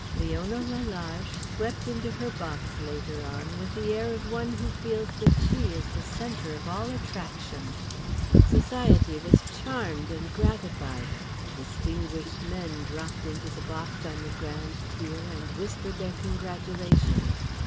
Leona Lalage swept into her box later on with the air of one who feels that she is the centre of all attraction. Society was charmed and gratified, distinguished men dropped into the box on the grand tier, and whispered their congratulations.